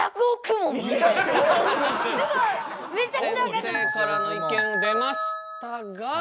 先生からの意見出ましたが。